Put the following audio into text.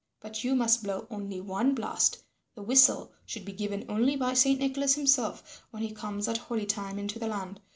But you must blow only one blast. The whistle should be given only by Saint Nicholas himself when he comes at holly time into the land.